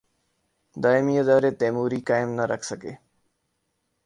دائمی ادارے تیموری قائم نہ کر سکے۔